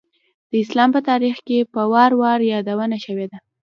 د اسلام په تاریخ کې په وار وار یادونه شوېده.